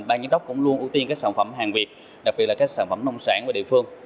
ban giám đốc cũng luôn ưu tiên sản phẩm hàng việt đặc biệt là các sản phẩm nông sản của địa phương